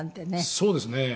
そうですね。